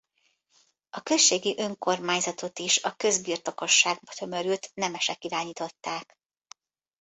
A községi önkormányzatot is a közbirtokosságba tömörült nemesek irányították.